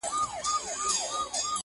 دا کيسه تل پوښتنه پرېږدي